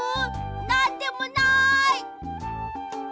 なんでもない！